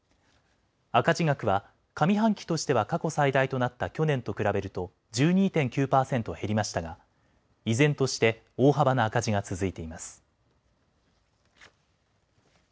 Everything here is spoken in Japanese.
赤字額は上半期としては過去最大となった去年と比べると１２．９％減りましたが依然として大幅な赤字が続いています。